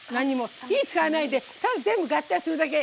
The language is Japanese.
火を使わないで全部合体するだけ。